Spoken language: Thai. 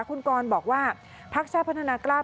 คุณกรบอกว่าพักชาติพัฒนากล้า